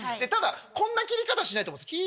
ただこんな切り方しないと思います。